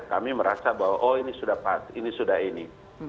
kami merasa bahwa oh ini sudah pas ini sudah ini